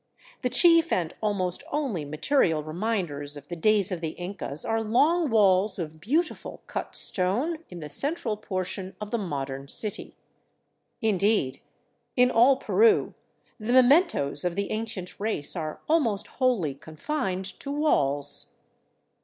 The chief and almost only material reminders of the days of the Incas are long walls of beautiful cut stone in the central portion of the modern city. Indeed, in all Peru the mementoes of the ancient race are almost wholly confined to walls.